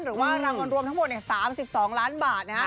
หรือว่ารางน้อยรวมทั้งหมด๓๒ล้านบาท